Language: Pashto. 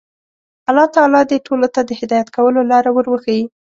الله تعالی دې ټولو ته د هدایت کولو لاره ور وښيي.